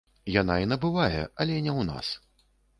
Яна і набывае, але не ў нас.